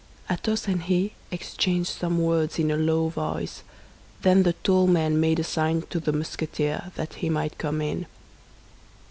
Athos and he exchanged some words in a low voice, then the tall man made a sign to the Musketeer that he might come in.